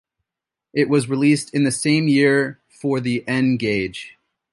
It was released in the same year for the N-Gage.